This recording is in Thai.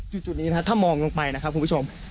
จุดนี้นะครับถ้ามองลงไปนะครับคุณผู้ชม